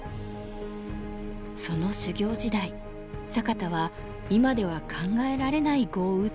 その修業時代坂田は今では考えられない碁を打っていたそうです。